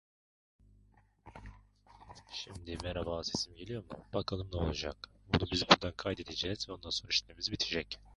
The two conference playoffs were tiebreakers.